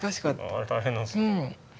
あれ大変なんですよね。